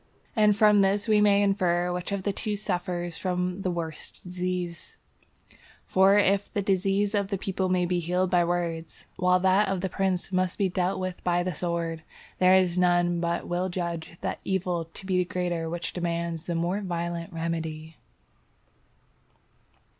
And from this we may infer which of the two suffers from the worse disease; for if the disease of the people may be healed by words, while that of the prince must be dealt with by the sword, there is none but will judge that evil to be the greater which demands the more violent remedy.